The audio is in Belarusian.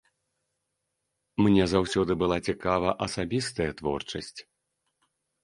Мне заўсёды была цікава асабістая творчасць.